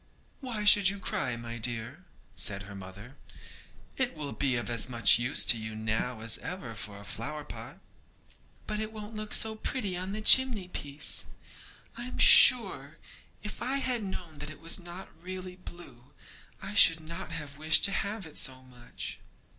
'Why should you cry, my dear?' said her mother; 'it will be of as much use to you now as ever for a flower pot.' 'But it won't look so pretty on the chimney piece. I am sure, if I had known that it was not really blue, I should not have wished to have it so much.'